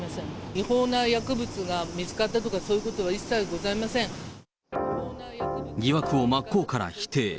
違法な薬物が見つかったとか、そういうことは疑惑を真っ向から否定。